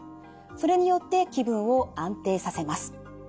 それによって気分を安定させます。